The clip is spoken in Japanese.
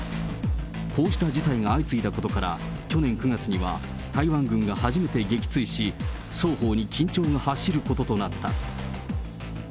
こうした事態が相次いだことから、去年９月には台湾軍が初めて撃墜し、双方に緊張が走ることとなった。